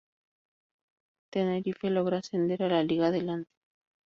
Tenerife logra ascender a la Liga Adelante.